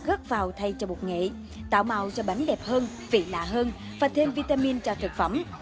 gất vào thay cho bột nghệ tạo màu cho bánh đẹp hơn vị lạ hơn và thêm vitamin cho thực phẩm